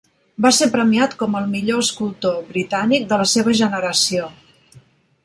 Va ser premiat com el millor escultor britànic de la seva generació.